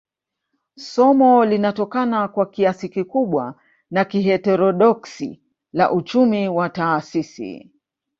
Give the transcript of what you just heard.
Somo linatokana kwa kiasi kikubwa na kiheterodoksi la uchumi wa taasisi